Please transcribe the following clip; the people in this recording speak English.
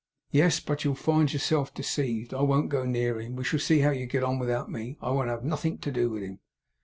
'Yes. But you'll find yourself deceived. I won't go near him. We shall see how you get on without me. I won't have nothink to do with him.